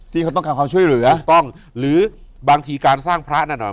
ที่เขาต้องการความช่วยเหลือถูกต้องหรือบางทีการสร้างพระแน่นอน